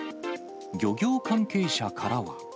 漁業関係者からは。